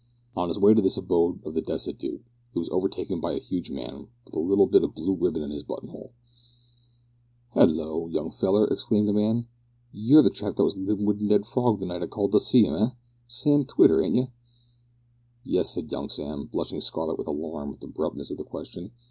On his way to this abode of the destitute, he was overtaken by a huge man with a little bit of blue ribbon in his button hole. "Hallo! young feller," exclaimed the man, "you're the chap that was livin' wi' Ned Frog the night I called to see 'im eh! Sam Twitter, ain't you?" "Yes," said young Sam, blushing scarlet with alarm at the abruptness of the question.